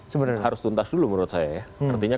sebenarnya harus tuntas dulu menurut saya ya artinya